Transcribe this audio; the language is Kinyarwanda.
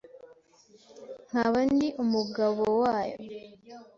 nkaba ndi umugabowayo